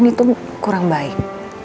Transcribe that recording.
itu kurang baik